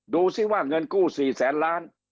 ดูสิว่าเงินกู้๔แสนล้าน